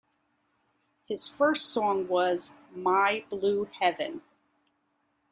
His first song was "My Blue Heaven".